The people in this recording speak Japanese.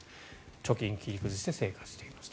貯金を切り崩して生活していますと。